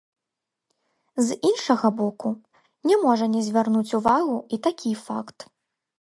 З іншага боку, не можа не звярнуць увагу і такі факт.